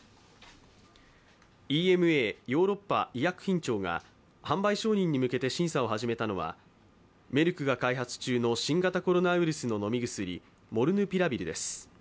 ＥＭＡ＝ヨーロッパ医薬品庁が販売承認に向けて審査を始めたのはメルクが開発中の新型コロナウイルスの飲み薬モルヌピラビルです。